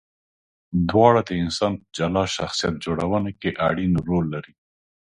دواړه د انسان په جلا شخصیت جوړونه کې اړین رول لري.